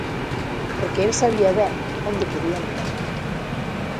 Porque el sabía ben onde quería mirar.